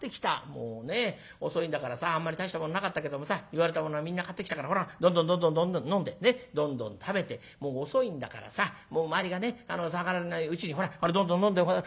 もうね遅いんだからさあんまり大したもんなかったけどもさ言われたものはみんな買ってきたからほらどんどんどんどん飲んでどんどん食べてもう遅いんだからさもう周りがね騒がれないうちにほらどんどん飲んであら？